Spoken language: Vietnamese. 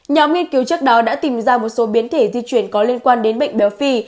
nhóm nghiên cứu trước đó đã tìm ra một số biến thể di chuyển có liên quan đến bệnh béo phì